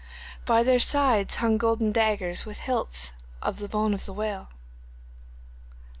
By their sides hung golden daggers with hilts of the bones of the whale.